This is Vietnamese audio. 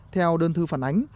theo đơn thư phản ánh